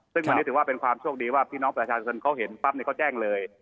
ซึ่งวันนี้ถือว่าเป็นความโชคดีว่าพี่น้องประชาชนเขาเห็นปั๊บเขาแจ้งเลย